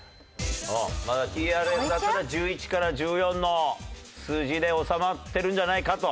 まだＴＲＦだったら１１から１４の数字で収まってるんじゃないかと。